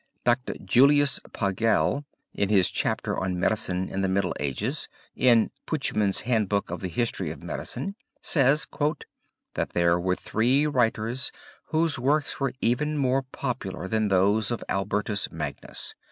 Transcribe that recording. Dr. Julius Pagel, in his Chapter on Medicine in the Middle Ages in Puschmann's Hand Book of the History of Medicine, [Footnote 22] says, "that there were three writers whose works were even more popular than those of Albertus Magnus.